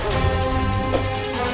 tidak ada yang bisa dihukum